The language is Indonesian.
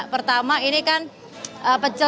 pertama ini kan pecel